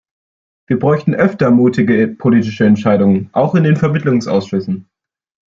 Wir bräuchten öfter mutige politische Entscheidungen, auch in den Vermittlungsausschüssen.